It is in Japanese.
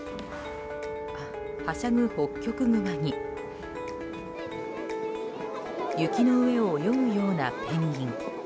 はしゃぐホッキョクグマに雪の上を泳ぐようなペンギン。